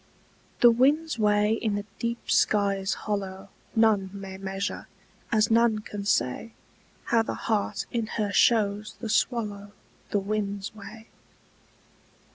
THE wind's way in the deep sky's hollow None may measure, as none can say How the heart in her shows the swallow The wind's way.